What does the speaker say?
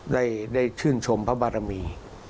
ได้ชื่นชมพระบารมี